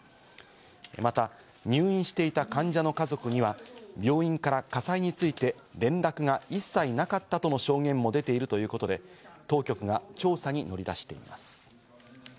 また入院していた患者の家族には病院から火災について連絡が一切なかったとの証言も出ているということで、当局は調査に乗り出しています。